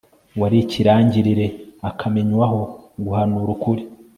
wari ikirangirire akamenywaho guhanura ukuri